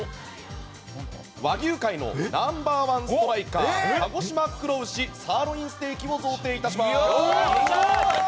和牛界のナンバー１ストライカー鹿児島黒牛サーロインステーキを贈呈いたします。